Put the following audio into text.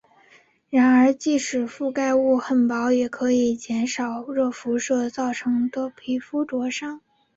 然而即使遮盖物很薄也可以减少热辐射造成的皮肤灼伤。